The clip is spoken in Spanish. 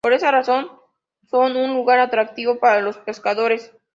Por esa razón, son un lugar atractivo para los pescadores.